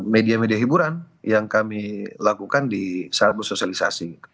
media media hiburan yang kami lakukan di saat bersosialisasi